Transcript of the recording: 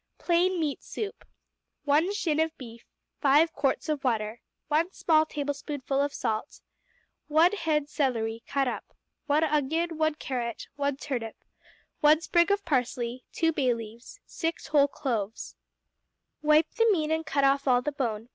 Plain Meat Soup 1 shin of beef. 5 quarts of water. 1 small tablespoonful of salt. 1 head celery, cut up. 1 onion. 1 carrot. 1 turnip. 1 sprig of parsley. 2 bay leaves. 6 whole cloves. Wipe the meat and cut off all the bone.